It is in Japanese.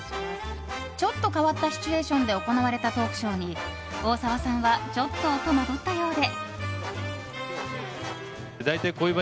ちょっと変わったシチュエーションで行われたトークショーに大沢さんはちょっと戸惑ったようで。